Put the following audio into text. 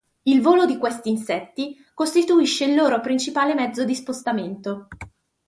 Il volo di quest'insetti costituisce il loro principale mezzo di spostamento.